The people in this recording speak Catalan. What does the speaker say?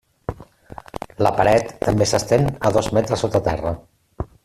La paret també s'estén a dos metres sota terra.